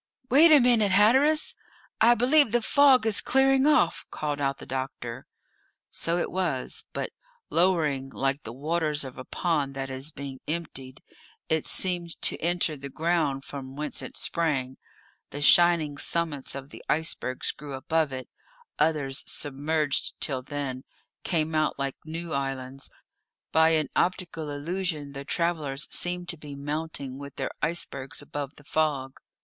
"Wait a minute, Hatteras; I believe the fog is clearing off," called out the doctor. So it was, but lowering like the waters of a pond that is being emptied; it seemed to enter the ground from whence it sprang; the shining summits of the icebergs grew above it; others, submerged till then, came out like new islands; by an optical illusion the travellers seemed to be mounting with their icebergs above the fog.